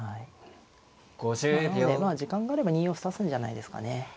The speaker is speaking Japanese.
まあなので時間があれば２四歩指すんじゃないですかね。